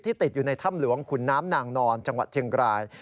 ติดอยู่ในถ้ำหลวงขุนน้ำนางนอนจังหวัดเชียงราย